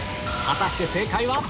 果たして正解は？